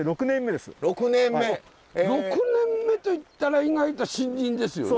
６年目といったら意外と新人ですよね。